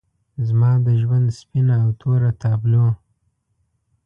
زما د ژوند سپینه او توره تابلو